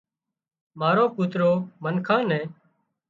مارو ڪوترو منکان نين